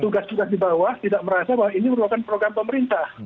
tugas tugas di bawah tidak merasa bahwa ini merupakan program pemerintah